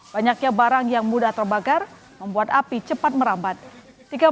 banyaknya barang yang mudah terbakar membuat api cepat merambat